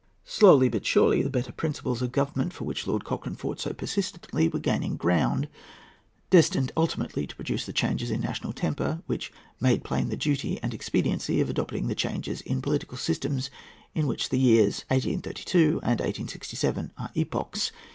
Slowly but surely the better principles of government for which Lord Cochrane fought so persistently were gaining ground, destined ultimately to produce the changes in national temper which made plain the duty and expediency of adopting the changes in political systems in which the years 1832 and 1867 are epochs.